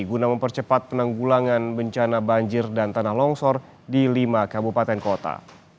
guna mempercepat penanggulangan bencana banjir dan tanah longsor di lima kabupaten kota